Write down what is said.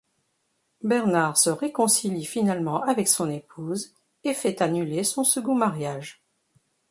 Bernard se réconcilie finalement avec son épouse et fait annuler son second mariage.